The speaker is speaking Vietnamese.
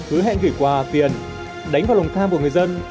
ước hẹn gửi quà tiền đánh vào lồng tham của người dân